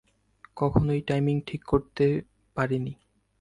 কখনোই টাইমিং ঠিক করতে পারিনি।